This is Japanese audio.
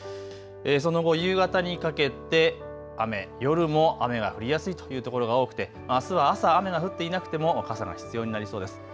その後夕方にかけて雨、夜も雨が降りやすいというところが多くてあすは朝、雨が降っていなくても傘が必要になりそうです。